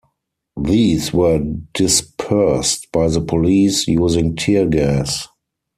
These were dispersed by the police, using teargas.